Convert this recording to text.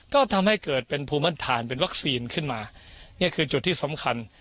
ก็ทำให้เกิดเป็นภูมิมั่นฐานเป็นวัคซีนขึ้นมานี่คือจุดที่สำคัญ